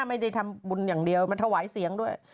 ไม่ได้ทำบุญอย่างเดียวมันถวายเสียงด้วย